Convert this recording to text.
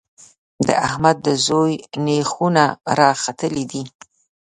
د احمد د زوی نېښونه راختلي دي.